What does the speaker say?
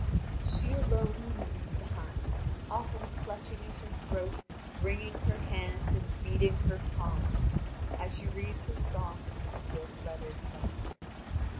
She alone remains behind, often clutching at her throat, wringing her hands, and beating her palms, as she reads her psalms in her gilt lettered psalter.